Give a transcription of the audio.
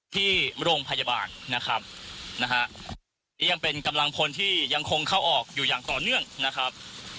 ที่โรงพยาบาลนะครับนะฮะนี่ยังเป็นกำลังพลที่ยังคงเข้าออกอยู่อย่างต่อเนื่องนะครับ